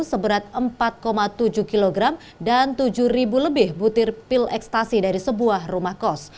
seberat empat tujuh kg dan tujuh lebih butir pil ekstasi dari sebuah rumah kos